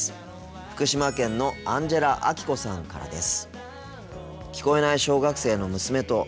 福島県のアンジェラアキコさんからです。